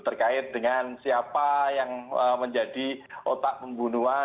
terkait dengan siapa yang menjadi otak pembunuhan